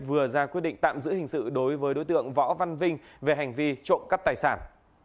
vừa ra quyết định tạm giữ hình sự đối với đối tượng võ văn vinh về hành vi trộm cắp tài sản